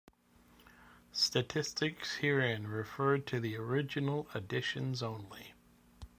Statistics herein refer to the original editions only.